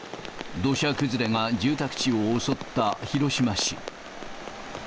土砂崩れが住宅地を襲った広島市。